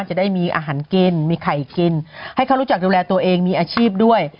จะได้มีอาหารกินมีไข่กินให้เขารู้จักดูแลตัวเองมีอาชีพด้วย